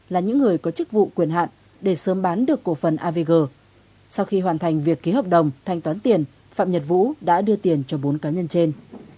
là những người có chức vụ quyền hạn để sớm bán được cổ phần avg sau khi hoàn thành việc ký hợp đồng thanh toán tiền phạm nhật vũ đã đưa tiền cho bốn cá nhân trên